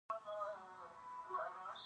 بزګر د خوړو زېری راوړونکی دی